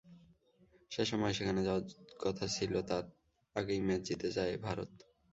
যেসময় সেখানে তাঁর যাওয়ার কথা ছিল তার আগেই ম্যাচ জিতে যায় ভারত।